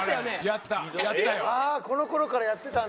やったよ。